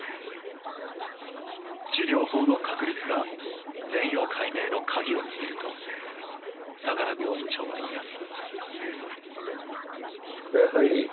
治療法の確立が全容解明の鍵を握ると相良病院長は言います。